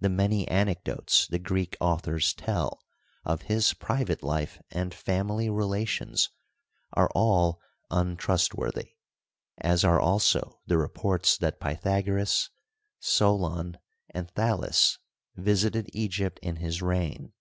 The manv anec dotes the Greek authors tell of his private life and family relations are all untrustworthy, as are also the reports that Pythagoras, Solon, and Thales visited Egypt in his reign.